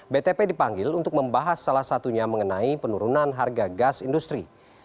btp dipanggil untuk membahas salah satunya mengenai penurunan harga gas industri